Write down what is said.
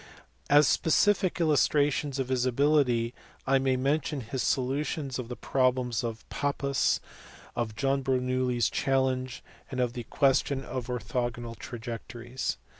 As specific illustrations of his ability I may mention his so lutions of the problem of Pappus, of John Bernoulli s challenge, and of the question of orthogonal trajectories.